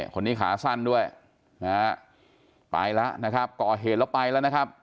คนนี้ขาสั้นด้วยนะฮะไปแล้วนะครับก่อเหตุแล้วไปแล้วนะครับ